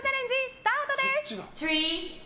スタートです！